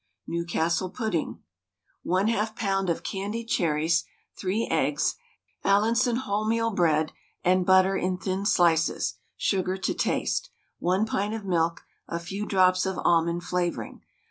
NEWCASTLE PUDDING. 1/2 lb. of candied cherries, 3 eggs, Allinson wholemeal bread and butter in thin slices, sugar to taste, 1 pint of milk, a few drops of almond flavouring.